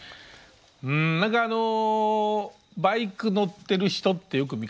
うん何かあのバイク乗ってる人ってよく見かけるじゃないですか大型。